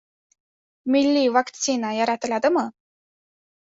Milliy vaksina yaratiladimi?